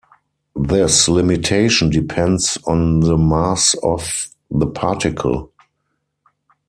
This limitation depends on the mass of the particle.